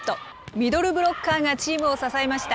ミドルブロッカーがチームを支えました。